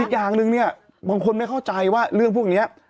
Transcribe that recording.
อย่างหนึ่งเนี่ยบางคนไม่เข้าใจว่าเรื่องพวกนี้